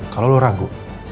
kalau lo ragu